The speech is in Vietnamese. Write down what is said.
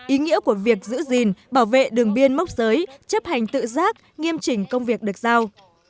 ý nghĩa của việc giữ gìn bảo vệ đường biên mốc giới chấp hành tự giác nghiêm chỉnh công việc được giao